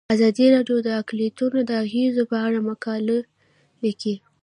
ازادي راډیو د اقلیتونه د اغیزو په اړه مقالو لیکلي.